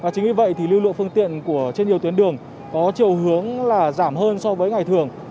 chính vì vậy thì lưu lượng phương tiện trên nhiều tuyến đường có chiều hướng là giảm hơn so với ngày thường